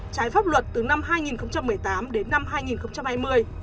trái pháp luật từ năm hai nghìn một mươi tám đến năm hai nghìn hai mươi